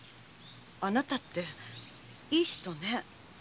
あなたっていい人ね。